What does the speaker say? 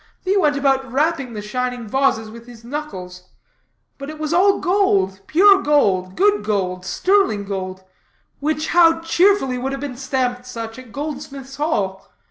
He went about rapping the shining vases with his knuckles. But it was all gold, pure gold, good gold, sterling gold, which how cheerfully would have been stamped such at Goldsmiths' Hall.